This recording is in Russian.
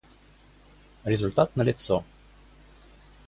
Результат налицо